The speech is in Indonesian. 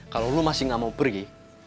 kalau lo masih nggak mau pergi